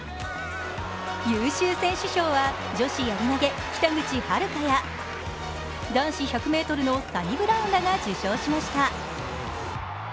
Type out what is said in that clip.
優秀選手賞は女子やり投げ北口榛花や男子１００ｍのサニブラウンらが受賞しました。